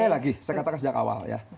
sekali lagi saya katakan sejak awal ya